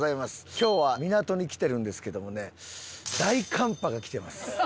今日は港に来てるんですけどもね大寒波が来てます。